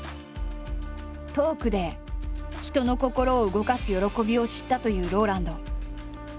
トークで人の心を動かす喜びを知ったというＲＯＬＡＮＤ。